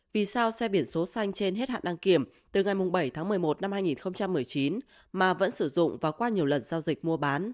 vì sao xe biển số xanh trên hết hạn đăng kiểm từ ngày bảy tháng một mươi một năm hai nghìn một mươi chín